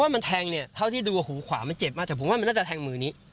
มันแทงเนี่ยเท่าที่ดูหูขวามันเจ็บมากแต่ผมว่ามันน่าจะแทงมือนี้